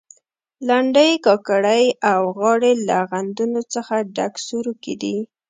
لنډۍ، کاکړۍ او غاړې له غندنو څخه ډک سروکي دي.